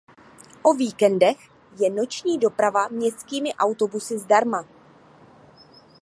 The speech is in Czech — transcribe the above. O víkendech je noční doprava městskými autobusy zdarma.